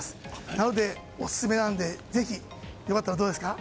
なのでオススメなのでぜひ、良かったらどうですか？